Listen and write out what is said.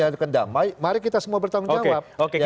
harus kendamai mari kita semua bertanggung jawab